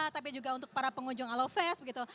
tapi juga untuk para pengunjung halo fest begitu